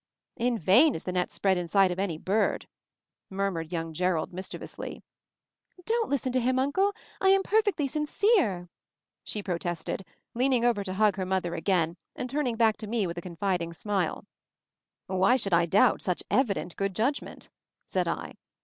"In vain is the net spread in sight of any bird," murmured young Jerrold mischiev ously. "Don't listen to him, Uncle! I am per fectly sincere," she protested, leaning over MOVING THE MOUNTAIN 65 to hug her mother again, and turning back to me with a confiding smile. "Why should I doubt such evident good judgment?" said I.